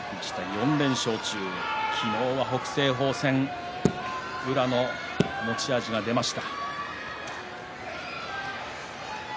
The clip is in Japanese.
４連勝中、昨日は北青鵬戦宇良の持ち味が出ました。